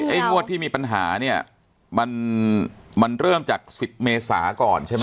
งวดที่มีปัญหาเนี่ยมันเริ่มจาก๑๐เมษาก่อนใช่ไหม